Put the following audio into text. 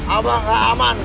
abah gak aman